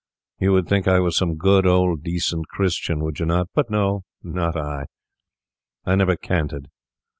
You would think I was some good, old, decent Christian, would you not? But no, not I; I never canted.